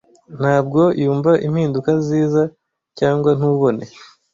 Ntabwo yumva impinduka ziza, cyangwa ntubone?